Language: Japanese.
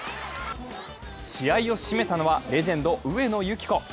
試合を締めたのはレジェンド・上野由岐子。